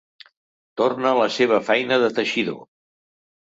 Torna a la seva feina de teixidor.